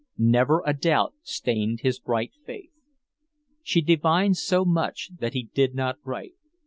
Never a doubt stained his bright faith. She divines so much that he did not write.